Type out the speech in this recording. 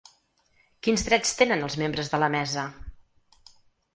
Quins drets tenen els membres de la mesa?